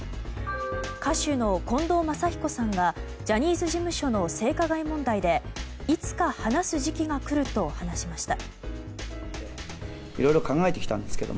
歌手の近藤真彦さんがジャニーズ事務所の性加害問題でいつか話す時期が来ると話しました。